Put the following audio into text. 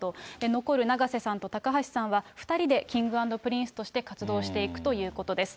残る永瀬さんと高橋さんは、２人でＫｉｎｇ＆Ｐｒｉｎｃｅとして活動していくということです。